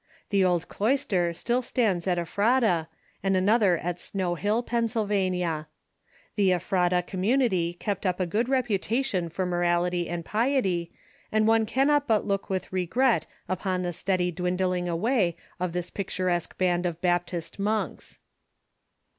The old cloister still stands at Ephrata, and another at Snow Hill, Pennsylvania. The Ephrata community kept up a good reputation for morality and piety, and one cannot but look with regret upon the steady dwindling away of this picturesque band of Baptist monks.